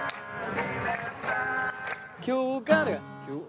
「今日から」